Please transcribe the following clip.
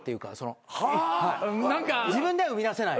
自分では生み出せない。